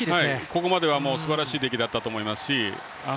ここまではすばらしい出来だったと思いますし